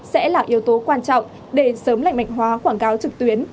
sẽ là yếu tố quan trọng để sớm lành mạnh hóa quảng cáo trực tuyến